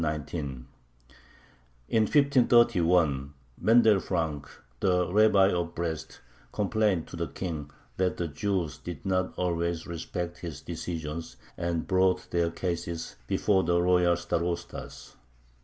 In 1531 Mendel Frank, the rabbi of Brest, complained to the King that the Jews did not always respect his decisions, and brought their cases before the royal starostas.